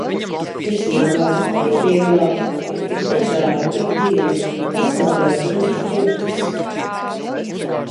Ir smagāk, ir vieglāk, ir tik dažādi ik dienu un pasaulē gruzd jūtas.